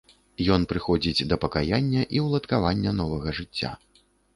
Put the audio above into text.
Ён прыходзіць да пакаяння і ўладкавання новага жыцця.